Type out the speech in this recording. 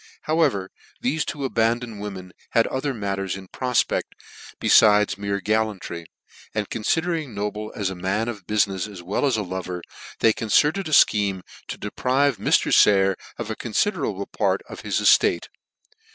However, thefe two abandoned wo men had other matters in profpect befides mere, gallantry, and confidering Noble as a man of bu finefs as well as a lover, they concerted a fcheme to deprive Mr. Sayer of a confiderable part of his eftate.